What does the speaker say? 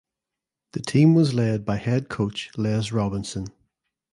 The team was led by head coach Les Robinson.